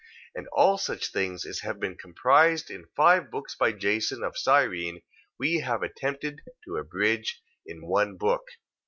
2:24. And all such things as have been comprised in five books by Jason, of Cyrene, we have attempted to abridge in one book.